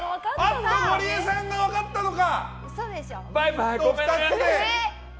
ゴリエさんが分かったのか。